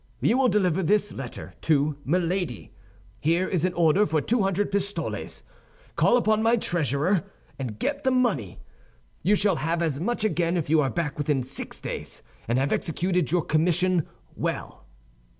You will deliver this letter to Milady. Here is an order for two hundred pistoles; call upon my treasurer and get the money. You shall have as much again if you are back within six days, and have executed your commission well."